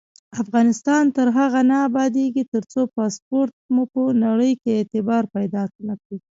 افغانستان تر هغو نه ابادیږي، ترڅو پاسپورت مو په نړۍ کې اعتبار پیدا نکړي.